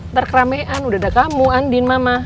ntar keramean udah ada kamu andin mama